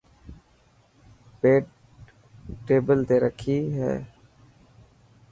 پيپ ٽيبل تي رکي هي.